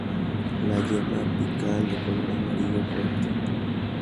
La yema apical de color amarillo fuerte.